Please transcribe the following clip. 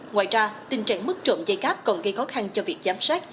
ngoài ra tình trạng mất trộm dây cáp còn gây khó khăn cho việc giám sát